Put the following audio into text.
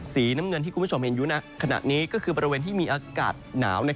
สีน้ำเงินที่คุณผู้ชมเห็นอยู่ในขณะนี้ก็คือบริเวณที่มีอากาศหนาว